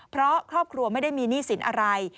เพราะครอบครัวไม่ได้มีหนี้สินอะไร